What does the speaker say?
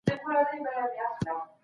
د وسواس سرسام زیاتېږي